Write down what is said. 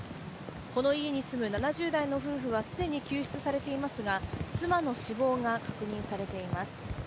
この家に住む７０代の夫婦は既に救出されていますが妻の死亡が確認されています。